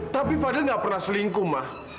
tapi fadil nggak pernah selingkuh mah